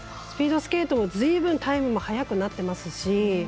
スピードスケートも、ずいぶんタイムも速くなってますし。